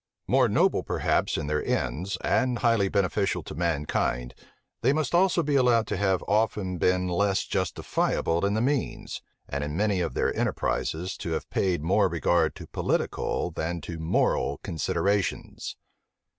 More noble perhaps in their ends, and highly beneficial to mankind they must also be allowed to have often been less justifiable in the means, and in many of their enterprises to have paid more regard to political than to moral considerations.